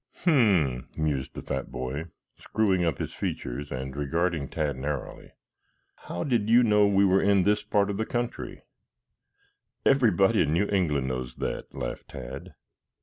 "Hm m m!" mused the fat boy, screwing up his features and regarding Tad narrowly. "How did you know we were in this part of the country?" "Everybody in New England knows that," laughed Tad.